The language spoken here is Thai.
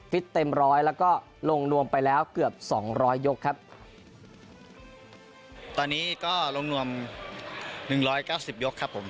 เต็มร้อยแล้วก็ลงนวมไปแล้วเกือบสองร้อยยกครับตอนนี้ก็ลงนวมหนึ่งร้อยเก้าสิบยกครับผม